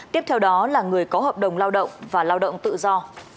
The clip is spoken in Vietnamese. tiếp theo đó là người có hợp đồng lao động và lao động tự do